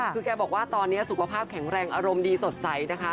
คือแกบอกว่าตอนนี้สุขภาพแข็งแรงอารมณ์ดีสดใสนะคะ